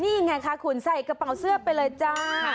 นี่ไงคะคุณใส่กระเป๋าเสื้อไปเลยจ้า